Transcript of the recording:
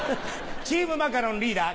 チームマカロンリーダー